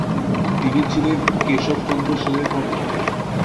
তিনি ছিলেন কেশব চন্দ্র সেনের কন্যা।